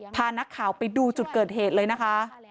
พานักข่าวไปดูจุดเกิดเหตุเลยนะคะ